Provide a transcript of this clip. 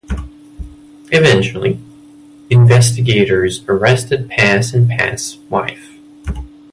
Eventually, investigators arrested Pass and Pass' wife.